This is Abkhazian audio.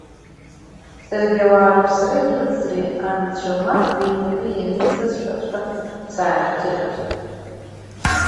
Саргьы ауаа рыԥсреи рыӡреи анцәа Маҭбеи инапы ианиҵазшәаҵәҟьа сааӷьаҵәы-ӷьаҵәит.